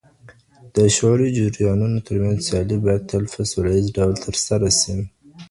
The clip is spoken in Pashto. د شعوري جريانونو ترمنځ سيالي بايد تل په سوليز ډول ترسره سي.